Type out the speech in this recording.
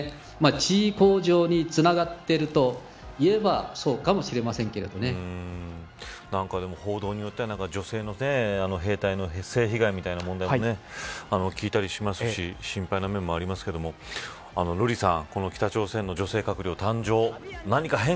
地位向上につながっているといえば報道によっては女性の兵隊の性被害みたいな問題も聞いたりしますし心配な面もありますけど瑠麗さん、北朝鮮の女性閣僚誕生